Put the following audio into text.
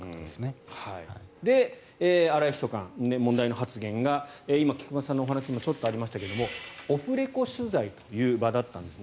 荒井秘書官、問題の発言が今、菊間さんのお話にもちょっとありましたけどオフレコ取材という場だったんですね。